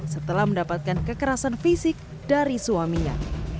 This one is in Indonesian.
setelah mendapatkan kekerasan fisik dari suaminya